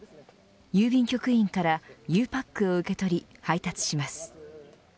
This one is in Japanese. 郵便局員からゆうパックを受け取り配達します。